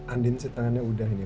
andi ini tangannya udah